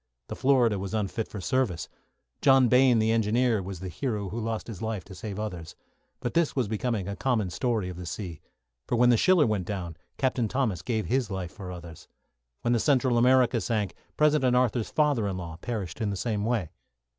The "Florida" was unfit for service. John Bayne, the engineer, was the hero who lost his life to save others. But this was becoming a common story of the sea; for when the "Schiller" went down, Captain Thomas gave his life for others. When the "Central America" sank, President Arthur's father in law perished in the same way.